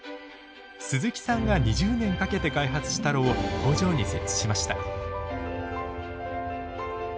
鈴木さんが２０年かけて開発した炉を工場に設置しました。